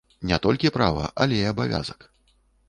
Не толькі права, але і абавязак.